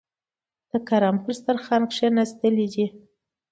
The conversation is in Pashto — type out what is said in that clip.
د کرم پر دسترخوان کېناستلي دي.